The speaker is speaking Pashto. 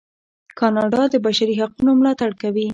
کاناډا د بشري حقونو ملاتړ کوي.